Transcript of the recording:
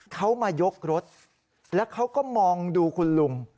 เขามายกรถแล้วเขาก็มองดูคุณลุง